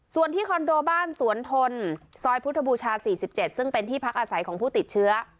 ส่วนที่คอนโดบ้านสวนทนซอยพุทธบูชา๔๗ซึ่งเป็นที่พักอาศัยของผู้ติดเชื้อ